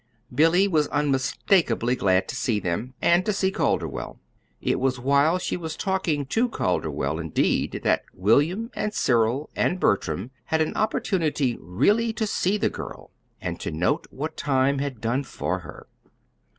Billy was unmistakably glad to see them and to see Calderwell. It was while she was talking to Calderwell, indeed, that William and Cyril and Bertram had an opportunity really to see the girl, and to note what time had done for her.